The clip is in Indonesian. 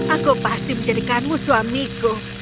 aku pasti menjadikanmu suamiku